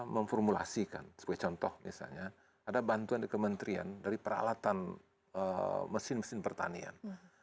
memformulasikan sebagai contoh misalnya ada bantuan di kementerian dari peralatan mesin mesin pertanian